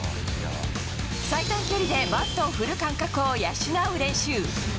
最短距離でバットを振る感覚を養う練習。